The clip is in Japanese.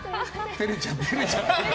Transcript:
照れちゃって。